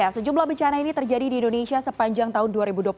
sejumlah bencana ini terjadi di indonesia sepanjang tahun dua ribu dua puluh satu